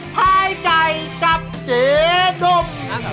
พายไก่กับเจ๊ดม